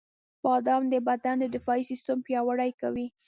• بادام د بدن د دفاعي سیستم پیاوړی کوي.